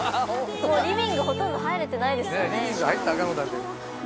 リビングほとんど入れてないですよね。